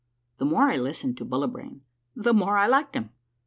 The more I listened to Bullibrain the more I liked him.